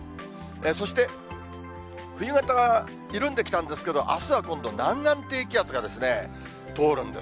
そして、冬型、緩んできたんですけど、あすは今度、南岸低気圧が通るんです。